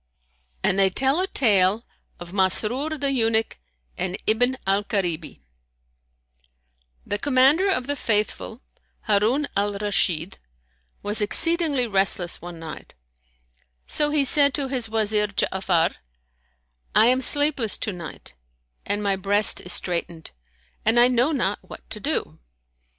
And they tell a tale of MASRUR THE EUNUCH AND IBN AL KARIBI The Commander of the Faithful, Harun al Rashid, was exceedingly restless one night; so he said to his Wazir Ja'afar, "I am sleepless to night and my breast is straitened and I know not what to do."